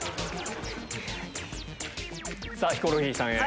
さぁヒコロヒーさんへ。